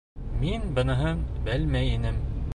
Мин быныһын белмәй инем.